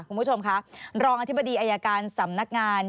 คุณผู้ชมค่ะรองอธิบดีอายการสำนักงาน